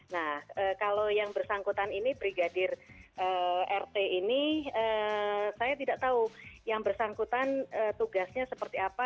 nah kalau yang bersangkutan ini brigadir rt ini saya tidak tahu yang bersangkutan tugasnya seperti apa